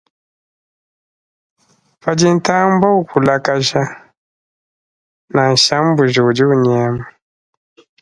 Padi ntambwe ukulakaja, nansha mbuji idi inyema.